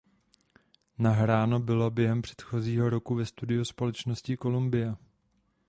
Nahráno bylo během předchozího roku ve studiu společnosti Columbia.